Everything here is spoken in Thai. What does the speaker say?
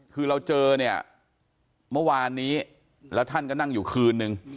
คือเราเจอเนี่ยเมื่อวานนี้แล้วท่านก็นั่งอยู่คืนนึง